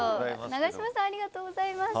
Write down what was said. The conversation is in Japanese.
永島さん、ありがとうございます。